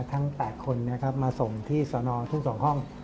พุ่งหาทั้ง๘คนมาส่งที่สนทุก๒ห้อง